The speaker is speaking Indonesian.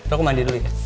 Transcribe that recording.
aku mandi dulu ya